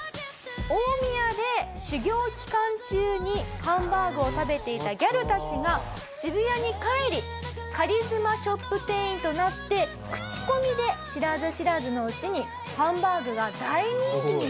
大宮で修業期間中にハンバーグを食べていたギャルたちが渋谷に帰りカリスマショップ店員となって口コミで知らず知らずのうちにハンバーグが大人気になっていたという事なんです。